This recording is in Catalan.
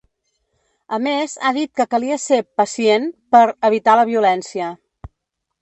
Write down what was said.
A més, ha dit que calia ser ‘pacient’ per ‘evitar la violència’.